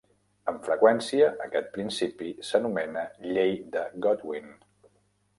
Amb freqüència aquest principi s'anomena Llei de Godwin.